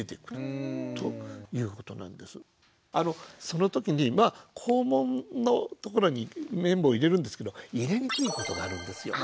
その時にまあ肛門のところに綿棒を入れるんですけど入れにくいことがあるんですよ。